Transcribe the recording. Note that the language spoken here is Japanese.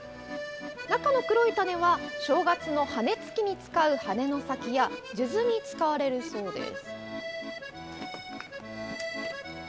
中の黒い種は正月の羽根突きに使う羽根の先や数珠に使われるそうです。